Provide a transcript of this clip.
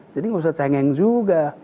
jadi tidak usah cengeng juga